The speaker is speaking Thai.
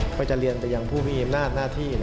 พอจะเรียนตัวอย่างผู้พิเศษหน้าที่